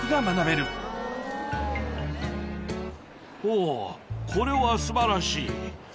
「おぉこれは素晴らしい」。